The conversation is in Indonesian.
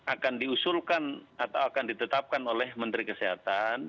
akan diusulkan atau akan ditetapkan oleh menteri kesehatan